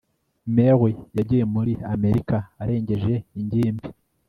mary yagiye muri amerika arengeje ingimbi